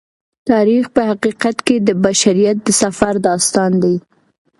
تاریخ په حقیقت کې د بشریت د سفر داستان دی.